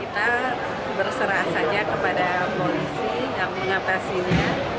kita berserah saja kepada polisi yang mengatasinya